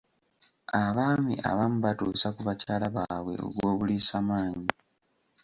Abaami abamu batuusa ku bakyala baabwe ogw'obuliisamaanyi.